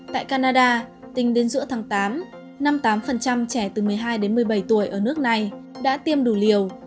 tại canada tính đến giữa tháng tám năm mươi tám trẻ từ một mươi hai đến một mươi bảy tuổi ở nước này đã tiêm đủ liều